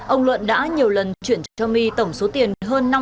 ông luận đã nhiều lần chuyển cho my tổng số tiền hơn năm một tỷ đồng